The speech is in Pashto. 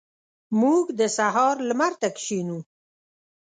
موږ د سهار لمر ته کښینو.